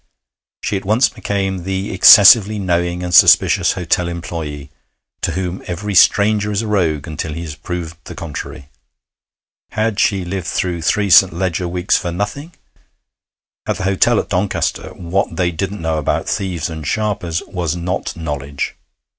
She at once became the excessively knowing and suspicious hotel employé, to whom every stranger is a rogue until he has proved the contrary. Had she lived through three St. Leger weeks for nothing? At the hotel at Doncaster, what they didn't know about thieves and sharpers was not knowledge.